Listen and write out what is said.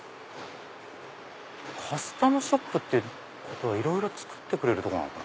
カスタムショップってことはいろいろ作ってくれるのかな。